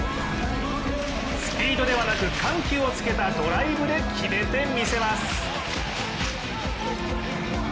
スピードではなく緩急をつけたドライブで決めてみせます。